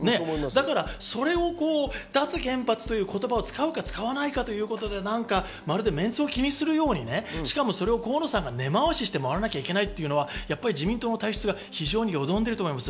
それを脱原発という言葉を使うか使わないかで、まるでメンツを気にするかのように、それを河野さんが根回しして回らなきゃいけないというのは自民党の体質が淀んでいると思います。